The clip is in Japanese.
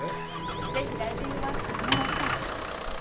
ぜひライティングワークスにお願いしたいって。